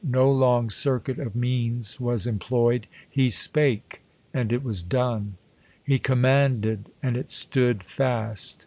No long circuit of means was employed. *' He spake ; and it was done : He commanded, and it stood iast."